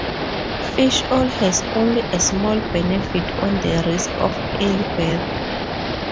Fish oil has only a small benefit on the risk of early birth.